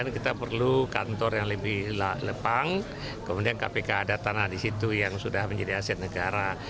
kita perlu kantor yang lebih lepang kemudian kpk ada tanah di situ yang sudah menjadi aset negara